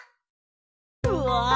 うわ